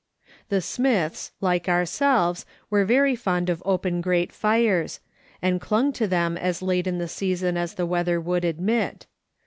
The Smiths, like ourselves, were very fond of open grate fires, and clung to them as late in the season as the weather would admit.